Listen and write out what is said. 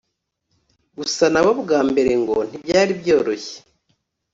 gusa na bo bwa mbere ngo ntibyari byoroshye